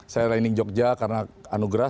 saya raining jogja karena anugerah